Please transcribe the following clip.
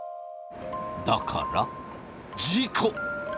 だから事故！